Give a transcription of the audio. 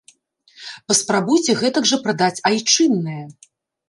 Паспрабуйце гэтак жа прадаць айчыннае.